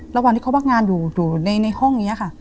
ระหว่างที่เขาพักงานอยู่อยู่ในห้องอย่างนี้